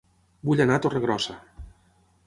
Vull anar a Torregrossa